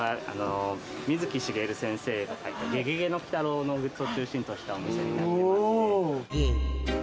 水木しげる先生が描いた『ゲゲゲの鬼太郎』のグッズを中心としたお店になってまして。